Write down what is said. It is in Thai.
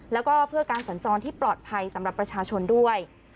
แล้วก็เพื่อการสัญจรที่ปลอดภัยสำหรับประชาชนด้วย